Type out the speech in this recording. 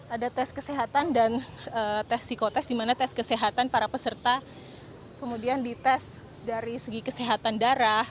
ada tes kesehatan dan tes psikotest di mana tes kesehatan para peserta kemudian dites dari segi kesehatan darah